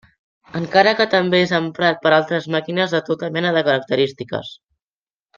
Encara que també és emprat per altres màquines de tota mena de característiques.